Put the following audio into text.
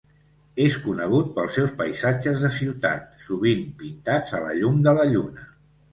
És conegut pels seus paisatges de ciutat, sovint pintats a la llum de la lluna.